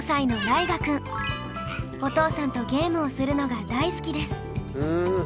お父さんとゲームをするのが大好きです。